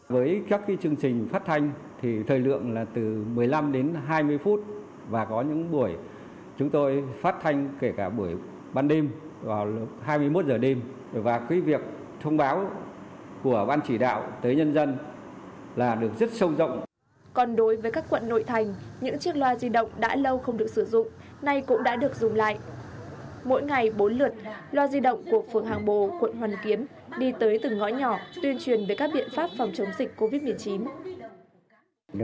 mỗi ngày bốn lượt loa di động của phường hàng bồ quận hoàn kiến đi tới từng ngõ nhỏ tuyên truyền với các biện pháp phòng chống dịch covid một mươi chín